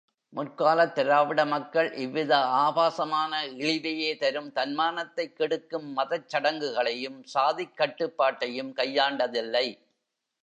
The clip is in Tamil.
முற்காலத் திராவிட மக்கள் இவ்வித ஆபாசமான, இழிவையே தரும், தன்மானத்தைக் கெடுக்கும் மதச் சடங்குகளையும் சாதிக் கட்டுப்பாட்டையும் கையாண்டதில்லை.